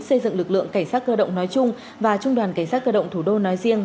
xây dựng lực lượng cảnh sát cơ động nói chung và trung đoàn cảnh sát cơ động thủ đô nói riêng